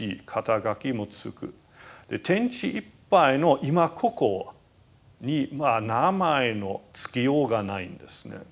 天地いっぱいの今ここに名前の付けようがないんですね。